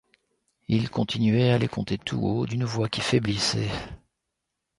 Il continuait à les compter tout haut, d’une voix qui faiblissait.